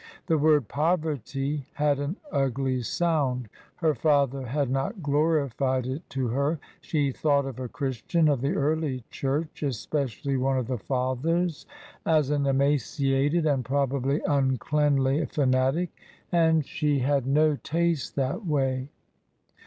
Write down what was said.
The word "poverty" had an ugly sound. Her father had not glorified it to her. She thought of a Christian of the early church, especially one of the Fathers, as an emaciated and probably uncleanly fanatic, and she had TRANSITION. 41 no taste that way.